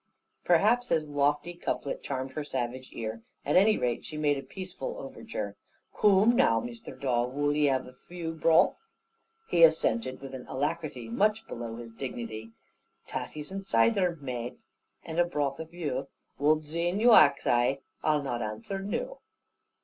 Perhaps his lofty couplet charmed her savage ear; at any rate she made a peaceful overture. "Coom now, Mr. Dawe, wull e have a few broth?" He assented with an alacrity much below his dignity; "Taties, and zider, maat, and broth a few, "Wull, zin you ax ai, ai'll not answer noo."